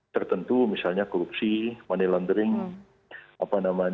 tertentu misalnya korupsi money laundering terorisme narkotika dan lain lain